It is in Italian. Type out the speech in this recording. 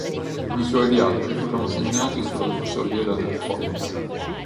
I suoi viaggi furono segnati sulla fusoliera del Fokker.